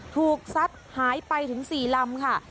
ถูกซัดหายไปถึงสี่ลำค่ะ